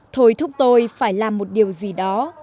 thối thúc tôi phải làm một điều gì đó